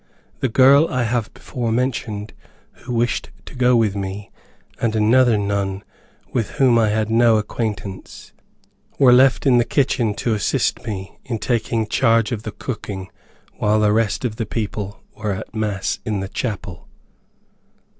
The girl I have before mentioned, who wished to go with me, and another nun, with whom I had no acquaintance, were left in the kitchen to assist me, in taking charge of the cooking, while the rest of the people were at mass in the chapel.